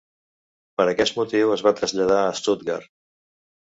Per aquest motiu es va traslladar a Stuttgart.